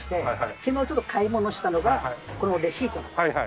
昨日ちょっと買い物したのがこのレシートなんです。